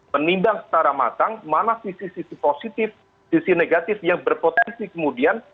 menimbang secara matang mana sisi sisi positif sisi negatif yang berpotensi kemudian